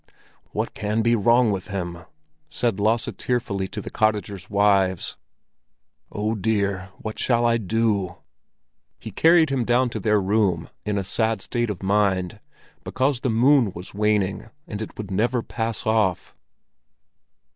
"What can be wrong with him?" said Lasse tearfully to the cottagers' wives. "Oh dear, what shall I do?" He carried him down to their room in a sad state of mind, because the moon was waning, and it would never pass off!